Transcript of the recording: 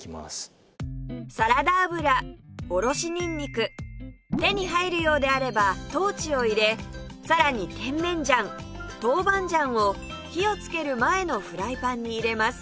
サラダ油おろしにんにく手に入るようであれば豆鼓を入れさらに甜麺醤豆板醤を火をつける前のフライパンに入れます